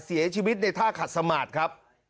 เสียชีวิตในท่าขัดสมาธิครับ